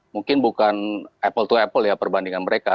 mungkin bukan apple to apple ya perbandingan mereka